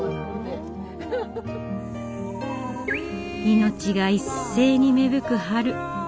命が一斉に芽吹く春。